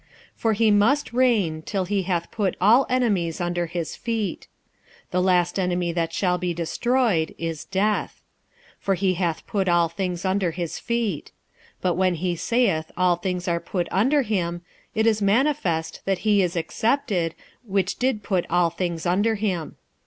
46:015:025 For he must reign, till he hath put all enemies under his feet. 46:015:026 The last enemy that shall be destroyed is death. 46:015:027 For he hath put all things under his feet. But when he saith all things are put under him, it is manifest that he is excepted, which did put all things under him.